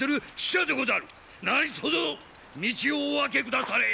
何とぞ道をお空けくだされ。